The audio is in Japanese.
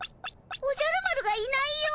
おじゃる丸がいないよ。